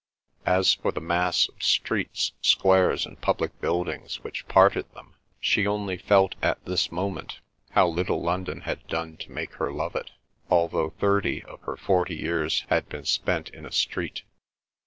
As for the mass of streets, squares, and public buildings which parted them, she only felt at this moment how little London had done to make her love it, although thirty of her forty years had been spent in a street.